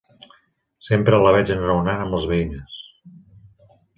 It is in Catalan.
Sempre la veig enraonant amb les veïnes.